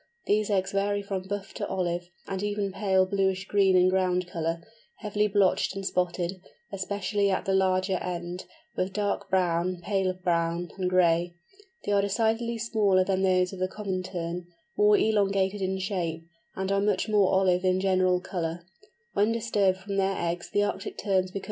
These eggs vary from buff to olive, and even pale bluish green in ground colour, heavily blotched and spotted, especially at the larger end, with dark brown, paler brown, and gray. They are decidedly smaller than those of the Common Tern, more elongated in shape, and are much more olive in general colour.